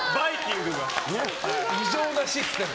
異常なシステム。